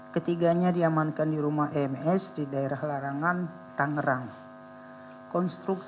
ketiganya diamankan di rumah ems di daerah larangan tangerang